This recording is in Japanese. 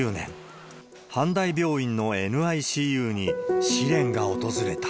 阪大病院のＮＩＣＵに試練が訪れた。